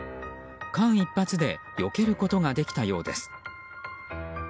間一髪でよけることができたようです。